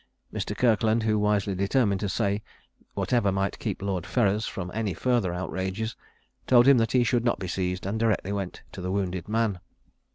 Mr. Kirkland, who wisely determined to say whatever might keep Lord Ferrers from any further outrages, told him that he should not be seized, and directly went to the wounded man.